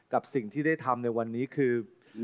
กับสิ่งที่ได้ทำในวันนี้คือ